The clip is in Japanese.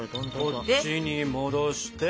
こっちに戻して。